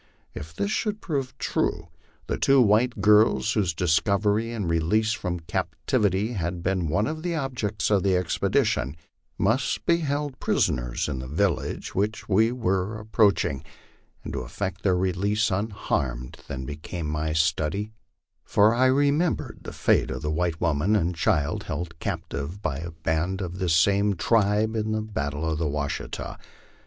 If this should prove true, the two white girls whose discovery and release from captivity had been one of the objects of the expedition, must be held prisoners in the village which we were ap 238 MY LIFE ON THE PLAINS. preaching; and to effect their release unharmed then became my study, for I remembered the Me of the white woman and child held captive by a band of this same tribe at the battle of the Washita.